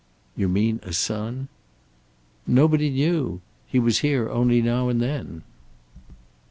"You mean, a son?" "Nobody knew. He was here only now and then."